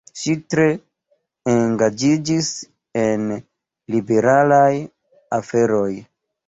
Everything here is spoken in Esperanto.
Ŝi tre engaĝiĝis en liberalaj aferoj.